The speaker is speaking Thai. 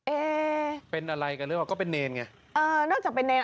เอ๊เป็นอะไรกันหรือเปล่าก็เป็นเนรไงเออนอกจากเป็นเนร